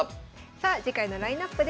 さあ次回のラインナップです。